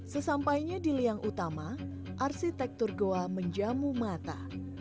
sesampainya di liang utama arsitektur goa menjamu mata